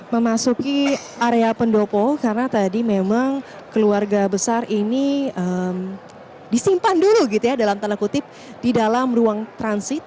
memasuki area pendopo karena tadi memang keluarga besar ini disimpan dulu gitu ya dalam tanda kutip di dalam ruang transit